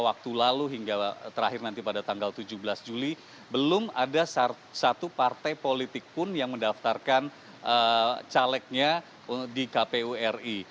waktu lalu hingga terakhir nanti pada tanggal tujuh belas juli belum ada satu partai politik pun yang mendaftarkan calegnya di kpu ri